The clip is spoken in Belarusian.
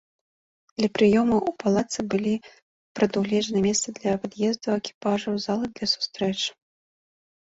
Для прыёмаў у палацы былі прадугледжаныя месцы для пад'езду экіпажаў, залы для сустрэч.